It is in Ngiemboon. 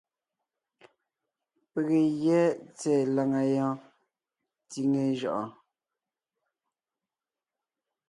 Pege gyɛ́ tsɛ̀ɛ làŋa yɔɔn tsíŋe jʉʼɔɔn.